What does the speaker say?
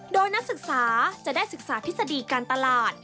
โดยนักศึกษาจะได้ศึกษาทฤษฎีการตลาด